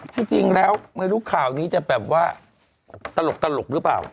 จริงแล้วไม่รู้ข่าวนี้จะแบบว่าตลกหรือเปล่า